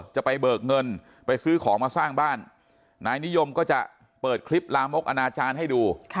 เบิกเงินไปซื้อของมาสร้างบ้านนายนิยมก็จะเปิดคลิปลามกอนาจารย์ให้ดู